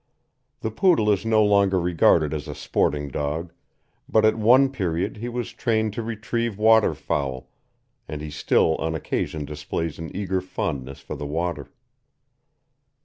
The Poodle is no longer regarded as a sporting dog, but at one period he was trained to retrieve waterfowl, and he still on occasion displays an eager fondness for the water.